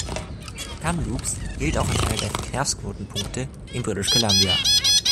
Kamloops gilt auch als einer der Verkehrsknotenpunkte in British Columbia.